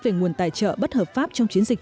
về nguồn tài trợ bất hợp pháp trong chiến dịch